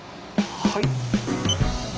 はい。